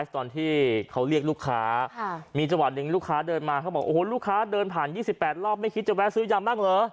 ตอนที่เขาเรียกลูกค้ามีจังหวะหนึ่งลูกค้าเดินมาเขาบอกโอ้โหลูกค้าเดินผ่าน๒๘รอบไม่คิดจะแวะซื้อยำบ้างเหรอ